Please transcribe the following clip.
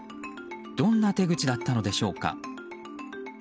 どんな手口だったのでしょうか。